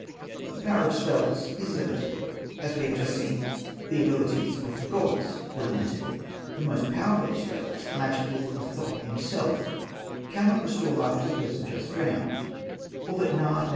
The power of spells is limited, as we have just seen the abilities of the gods were limited. The most powerful of spells, the magic book of Thoth himself, cannot restore life to a person just drowned. All that Na.